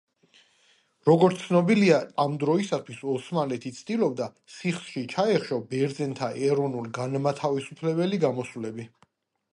როგორც ცნობილია ამ დროისათვის ოსმალეთი ცდილობდა სისხლში ჩაეხშო ბერძენთა ეროვნულ-განმათავისუფლებელი გამოსვლები.